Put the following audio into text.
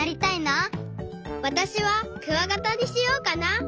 わたしはクワガタにしようかな！